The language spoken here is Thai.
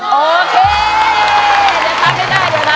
โอเค